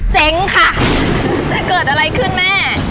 เจ๊งค่ะจะเกิดอะไรขึ้นแม่